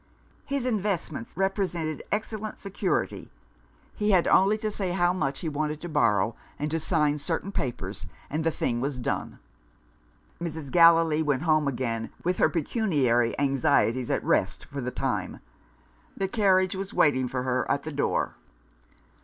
His "investments" represented excellent "security;" he had only to say how much he wanted to borrow, and to sign certain papers and the thing was done. Mrs. Gallilee went home again, with her pecuniary anxieties at rest for the time. The carriage was waiting for her at the door.